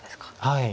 はい。